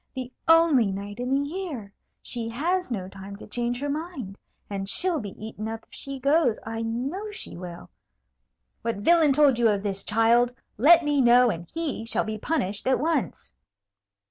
The only night in the year! She has no time to change her mind; and she'll be eaten up if she goes, I know she will. What villain told you of this, child? Let me know, and he shall be punished at once."